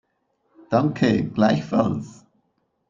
Danke, gleichfalls.